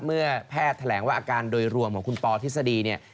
แพทย์แถลงว่าอาการโดยรวมของคุณปอทฤษฎีเนี่ย